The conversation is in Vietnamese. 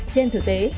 trên thực tế